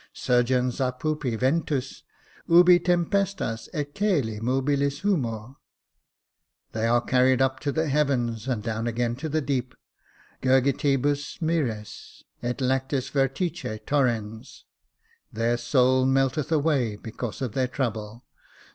—' Surgens a puppi ventus. — Ubi tempestas et call mobilis humor^ —* They are carried up to the heavens, and down again to the deep.' —' Gurgitibus mtris et lactis vertice torrens^ —* Their soul melteth away because of their trouble.'